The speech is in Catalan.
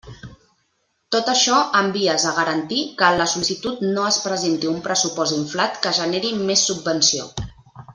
Tot això en vies a garantir que en la sol·licitud no es presenti un pressupost inflat que generi més subvenció.